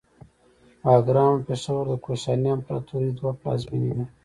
باګرام او پیښور د کوشاني امپراتورۍ دوه پلازمینې وې